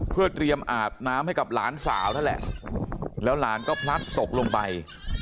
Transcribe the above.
เพื่อเตรียมอาบน้ำให้กับหลานสาวนั่นแหละแล้วหลานก็พลัดตกลงไป